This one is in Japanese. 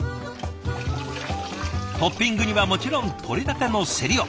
トッピングにはもちろん取れたてのせりを。